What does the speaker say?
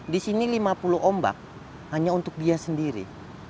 disini lima puluh ombak hanya untuk dia sendiri